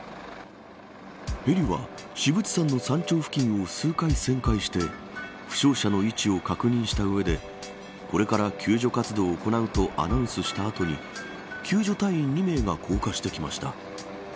ヘリは至仏山の山頂付近を数回旋回して負傷者の位置を確認した上でこれから救助活動を行うとアナウンスした後救助隊員２名が降下してきました。